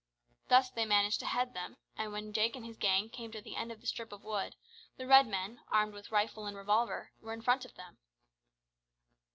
Thus they managed to head them, and when Jake and his gang came to the end of the strip of wood, the Red men, armed with rifle and revolver, were in front of them.